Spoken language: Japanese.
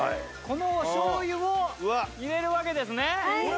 このおしょうゆを入れるわけですね。